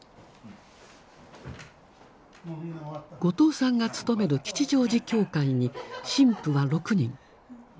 後藤さんがつとめる吉祥寺教会に神父は６人。